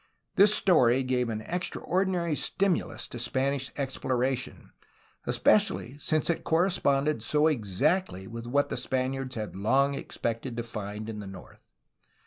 This story gave an extraordinary stimulus to CORTES AND CALIFORNIA 53 Spanish exploration, especially since it corresponded so exactly with what the Spaniards had long expected ta find in the north.